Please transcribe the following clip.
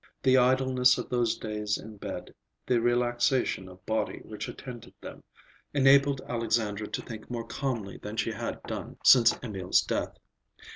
The idleness of those days in bed, the relaxation of body which attended them, enabled Alexandra to think more calmly than she had done since Emil's death.